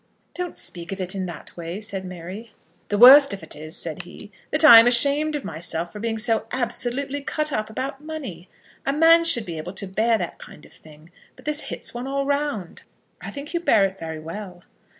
"Don't speak of it in that way," said Mary. "The worst of it is," said he "that I am ashamed of myself for being so absolutely cut up about money. A man should be able to bear that kind of thing; but this hits one all round." "I think you bear it very well."